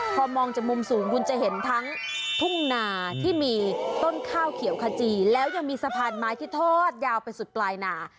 พอมองจากมุมสูงคุณจะเห็นทั้งทุ่งนาที่มีต้นข้าวเขียวขจีแล้วยังมีสะพานไม้ที่ทอดยาวไปสุดปลายนา